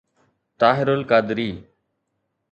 Tahir al-Qadri